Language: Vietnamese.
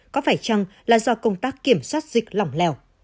có phải chăng là do công tác kiểm soát dịch lỏng lẻo